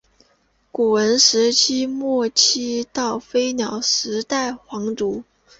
古坟时代末期到飞鸟时代皇族。